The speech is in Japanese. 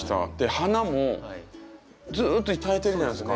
花もずっと咲いてるじゃないですか。